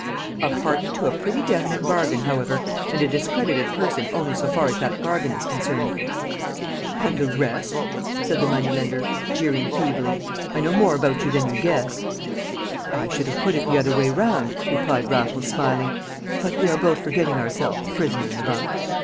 "A party to a pretty definite bargain, however, and a discredited person only so far as that bargain is concerned." "And the rest!" said the money lender, jeering feebly. "I know more about you than you guess." "I should have put it the other way round," replied Raffles, smiling. "But we are both forgetting ourselves, prisoner in the bunk.